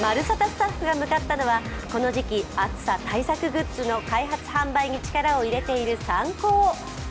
スタッフが向かったのは、この時期、暑さ対策グッズの開発・販売に力を入れているサンコー。